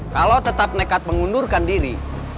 kalau tetap nekat mengundurkan diri